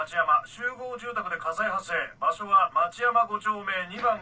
集合住宅で火災発生場所は町山５丁目２番５号。